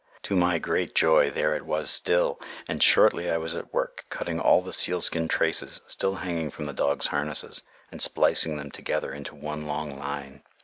To my great joy there it was still, and shortly I was at work cutting all the sealskin traces still hanging from the dogs' harnesses, and splicing them together into one long line.